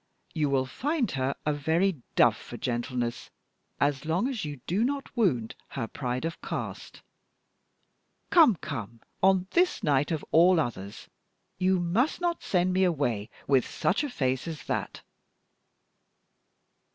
You will find her a very dove for gentleness, as long as you do not wound her pride of caste. Come, come, on this night, of all others, you must not send me away with such a face as that."